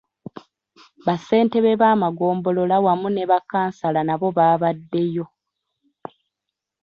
Bassentebe b'amagombolola wamu ne bakkansala nabo babadeyo.